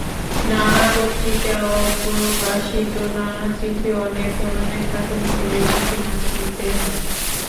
নানা পত্রিকা, অপ্রকাশিত নানা চিঠি, অনেক ধরনের খাটুনি করে ইতিহাস লিখতে হয়।